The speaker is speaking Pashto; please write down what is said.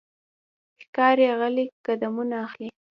ښکاري غلی قدمونه اخلي.